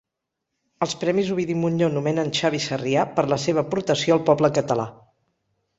Els Premis Ovidi Montllor nomenen Xavi Sarrià per la seva aportació al poble català